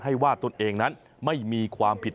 ให้ว่าตนเองนั้นไม่มีความผิด